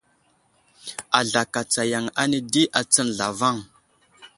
Azlakatsa yaŋ ane di atsən zlavaŋ.